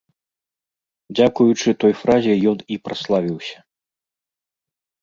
Дзякуючы той фразе ён і праславіўся.